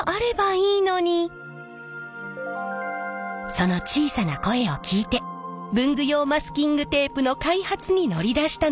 その小さな声を聞いて文具用マスキングテープの開発に乗り出したのです。